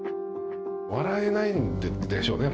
笑えないんでしょうね